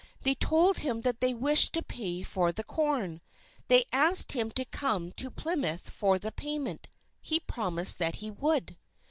They told him that they wished to pay for the corn. They asked him to come to Plymouth for the payment. He promised that he would.